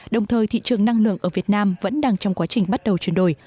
đồng thời thị trường năng lượng ở việt nam vẫn đang trong quá trình bắt đầu chuyển đổi